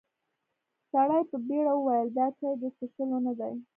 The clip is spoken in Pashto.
سړي په بيړه وويل: دا چای د څښلو نه دی.